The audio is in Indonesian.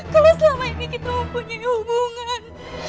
kalau selama ini kita mempunyai hubungan